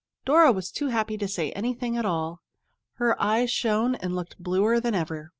Dora was too happy to say anything at all. Her eyes shone and looked bluer than ever.